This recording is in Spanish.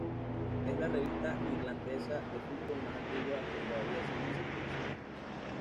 Es la revista neerlandesa de fútbol más antigua que todavía sigue en circulación.